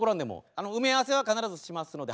あの埋め合わせは必ずしますので。